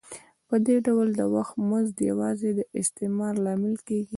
په دې ډول د وخت مزد یوازې د استثمار لامل کېږي